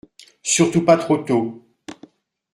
Surtout pas trop tôt.